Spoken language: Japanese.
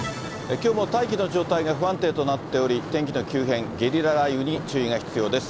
きょうも大気の状態が不安定となっており、天気の急変、ゲリラ雷雨に注意が必要です。